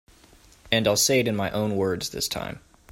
And I'll say it in my own words this time.